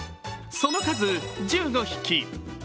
その数１５匹。